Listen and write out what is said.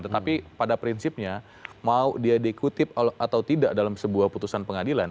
tetapi pada prinsipnya mau dia dikutip atau tidak dalam sebuah putusan pengadilan